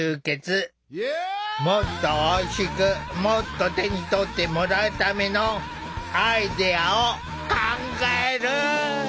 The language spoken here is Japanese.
もっとおいしくもっと手に取ってもらうためのアイデアを考える！